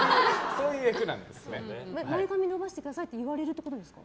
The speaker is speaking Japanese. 前髪伸ばしてくださいって言われるってことですか？